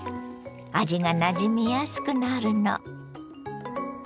味がなじみやすくなるの。